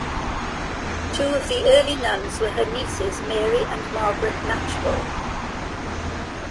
Two of the early nuns were her nieces Mary and Margaret Knatchbull.